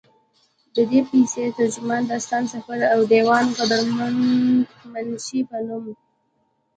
ددې پسې، ترجمان، داستان سفر او ديوان قدرمند منشي پۀ نوم